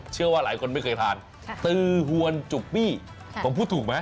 เชื่อว่าหลายคนไม่เคยทานตือหวนจุกปี้ผมพูดถูกไหม